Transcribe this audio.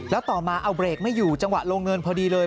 แล้วต่อมาเอาเบรกไม่อยู่จังหวะลงเงินพอดีเลย